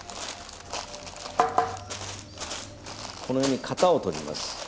このように型を取ります。